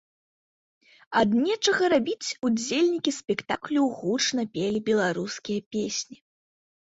Ад нечага рабіць удзельнікі спектаклю гучна пелі беларускія песні.